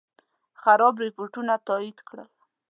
خراب رپوټونه تایید کړل.